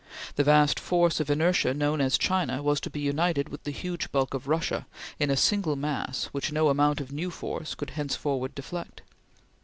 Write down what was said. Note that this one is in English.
The vast force of inertia known as China was to be united with the huge bulk of Russia in a single mass which no amount of new force could henceforward deflect.